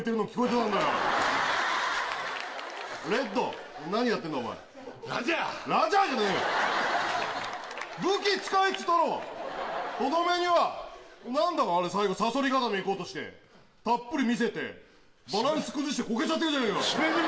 なんだあれ、最後、サソリ固めいこうとして、たっぷり見せて、バランス崩してこけちゃってるじゃないか。